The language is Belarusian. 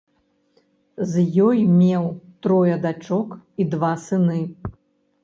З ёй меў трое дачок і два сыны.